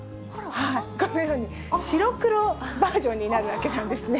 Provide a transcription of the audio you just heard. このように白黒バージョンになるわけなんですね。